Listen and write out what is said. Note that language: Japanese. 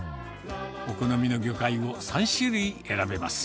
お好みの魚介を３種類選べます。